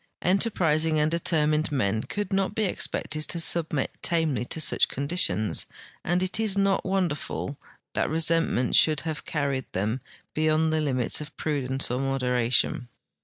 Enterprising and determined men could not be expected to submit tamely to such conditions, and it is not wonderful that resentment should have carried tncm beyond tbe limits of prudence or moderation.